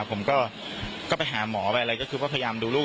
ผมก็ไปหาหมอไปอะไรก็คือก็พยายามดูลูก